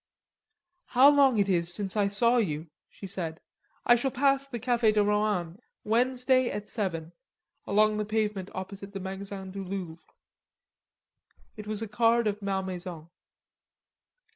"How long it is since I saw you!" it read. "I shall pass the Cafe de Rohan Wednesday at seven, along the pavement opposite the Magazin du Louvre." It was a card of Malmaison.